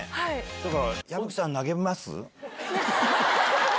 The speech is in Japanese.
だから、矢吹さん投げます？